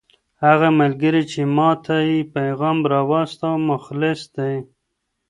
هغه ملګری چې ما ته یې پیغام واستاوه مخلص دی.